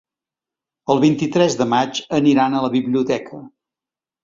El vint-i-tres de maig aniran a la biblioteca.